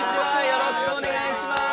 よろしくお願いします。